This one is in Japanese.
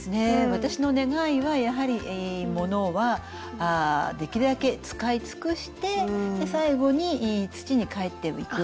私の願いはやはりものはできるだけ使い尽くして最後に土に返っていく。